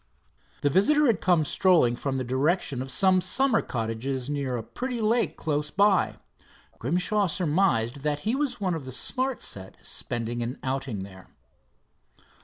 The visitor had come strolling from the direction of some summer cottages near a pretty lake close by. Grimshaw surmised that he was one of the smart set spending an outing there.